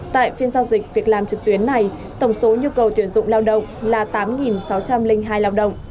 tại phiên giao dịch việc làm trực tuyến này tổng số nhu cầu tuyển dụng lao động là tám sáu trăm linh hai lao động